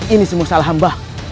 ini semua salah hamba